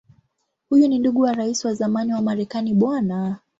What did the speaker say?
Huyu ni ndugu wa Rais wa zamani wa Marekani Bw.